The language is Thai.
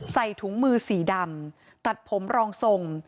ใส่ถุงมือสีดำตัดผมรองทรง